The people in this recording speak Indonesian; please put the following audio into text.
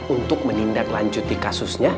untuk menindaklanjuti kasusnya